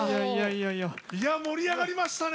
いや盛り上がりましたね！